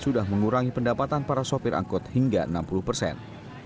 sudah mengurangi pendapatan para sopir angkot hingga enam puluh persen